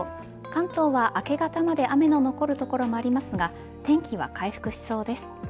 関東は明け方まで雨の残る所もありますが天気は回復しそうです。